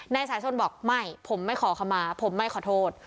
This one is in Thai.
นายสาชนบอกไม่ผมไม่ขอขมาผมไม่ขอโทษ